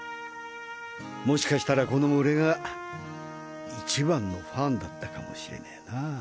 もしかしたらこの俺が一番のファンだったかもしれねぇな